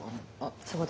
そこで。